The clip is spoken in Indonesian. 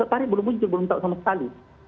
tarif belum muncul belum tahu sama sekali